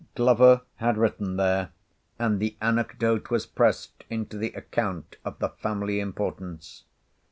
Glover had written there, and the anecdote was pressed into the account of the family importance.